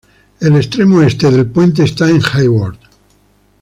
El extremo este del puente está en Hayward.